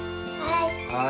はい。